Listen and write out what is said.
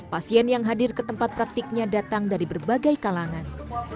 pasien yang hadir ke tempat praktiknya datang dari berbagai kalangan